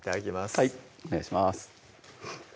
はいお願いします